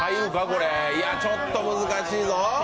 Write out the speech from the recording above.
これ、ちょっと難しいぞ。